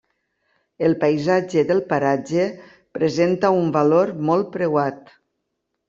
El paisatge del paratge presenta un valor molt preuat.